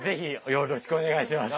よろしくお願いします。